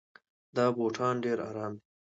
دا بوټان ډېر ارام دي.